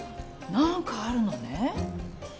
何かあるのね。